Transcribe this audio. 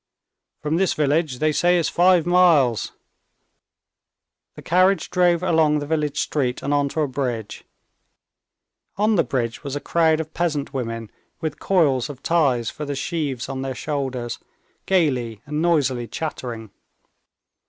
"From this village, they say, it's five miles." The carriage drove along the village street and onto a bridge. On the bridge was a crowd of peasant women with coils of ties for the sheaves on their shoulders, gaily and noisily chattering.